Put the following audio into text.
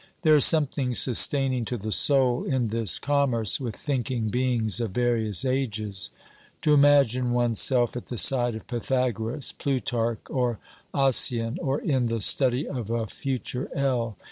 There is something sustaining to the soul in this commerce with thinking beings of various ages. To imagine one's self at the side of Pythagoras, Plutarch, or Ossian, or in the study of a future L.